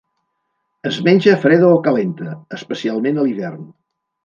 Es menja freda o calenta, especialment a l'hivern.